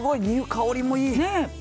香りもいい。